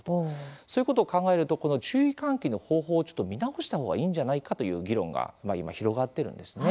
そういうことを考えるとこの注意喚起の方法をちょっと見直した方がいいんじゃないかという議論が今、広がっているんですね。